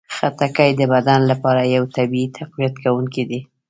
خټکی د بدن لپاره یو طبیعي تقویت کوونکی دی.